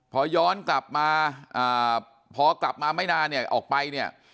พอย้อนกลับมาพอกลับมาไม่นานเนี่ยออกไปเนี่ย